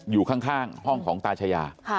อยู่ข้างห้องของตาชายา